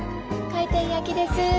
回転焼きです。